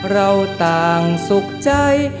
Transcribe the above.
เราต่างสุขใจ